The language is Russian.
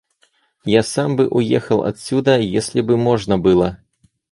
— Я сам бы уехал отсюда, если бы можно было.